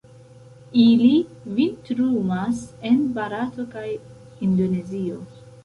Ili vintrumas en Barato kaj Indonezio.